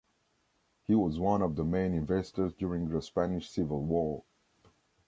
He was one of the main investors during the Spanish Civil War.